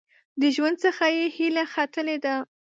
د ژوند څخه یې هیله ختلې ده .